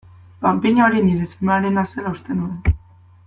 Panpina hori nire semearena zela uste nuen.